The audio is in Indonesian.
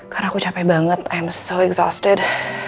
karena aku capek banget i'm so exhausted